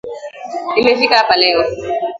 Nimefika hapa leo